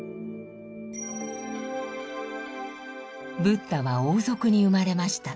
ブッダは王族に生まれました。